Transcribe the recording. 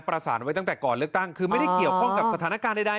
ประสานไว้ตั้งแต่ก่อนเลือกตั้งคือไม่ได้เกี่ยวข้องกับสถานการณ์ใด